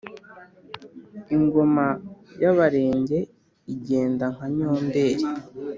Ingoma y’Abarenge igenda nka Nyomberi